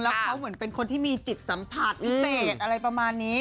แล้วเขาเหมือนเป็นคนที่มีจิตสัมผัสพิเศษอะไรประมาณนี้